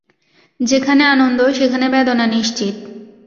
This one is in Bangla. যেখানে আনন্দ, সেখানে বেদনা নিশ্চিত।